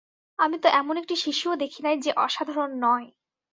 আমি তো এমন একটি শিশুও দেখি নাই, যে অসাধারণ নয়।